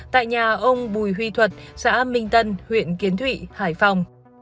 tại nhà ông bùi huy thuật xã minh tân huyện kiến thụy hải phòng